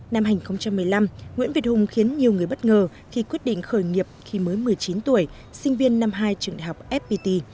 năm hai nghìn một mươi năm nguyễn việt hùng khiến nhiều người bất ngờ khi quyết định khởi nghiệp khi mới một mươi chín tuổi sinh viên năm hai trường đại học fpt